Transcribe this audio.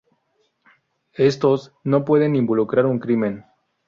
Estos no pueden involucrar un crimen.